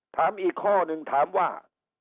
ถามอีกข้อหนึ่งถามว่า